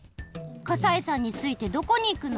河西さんについてどこにいくの？